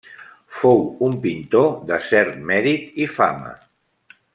Fou un pintor de cert mèrit i fama.